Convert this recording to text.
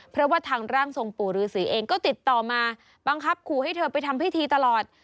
เพราะว่าทางร่างทรงปู่ฤษีเองก็ติดต่อมาบังคับขู่ให้เธอไปทำพิธีตลอด